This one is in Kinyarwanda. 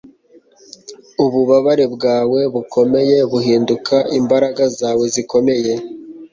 ububabare bwawe bukomeye buhinduka imbaraga zawe zikomeye